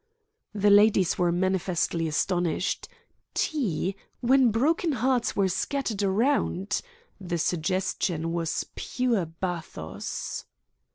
The ladies were manifestly astonished. Tea! When broken hearts were scattered around! The suggestion was pure bathos.